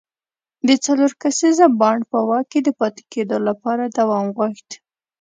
د څلور کسیز بانډ په واک کې د پاتې کېدو لپاره دوام غوښت.